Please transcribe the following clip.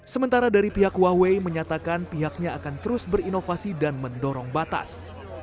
sementara dari pihak huawei menyatakan pihaknya akan terus berinovasi dan mendorong batas